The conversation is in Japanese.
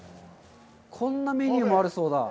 こんなメニューもあるそうだ。